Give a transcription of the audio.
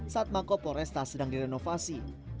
saat mako poresta sedang direnovasi